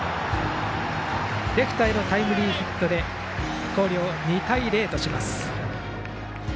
レフトへのタイムリーヒットで広陵、２対０とします。